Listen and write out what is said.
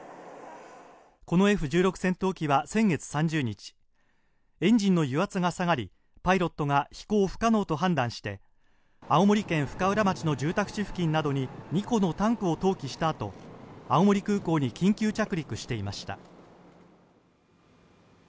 このＦ１６戦闘機は先月３０日、エンジンの油圧が下がりパイロットが飛行不可能と判断して青森県深浦町の住宅地付近などに２個のタンクを投棄したあと青森空港に緊急着陸していました。